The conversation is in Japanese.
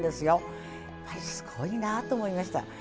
やっぱりすごいなと思いました。